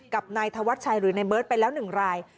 กับนายธวัชชัยหรือในเบิร์ตไปแล้ว๑ราย